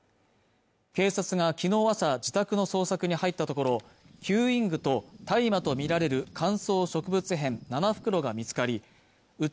警察が昨日朝、自宅の捜索に入ったところ吸引具と大麻と見られる乾燥植物片７袋が見つかりうち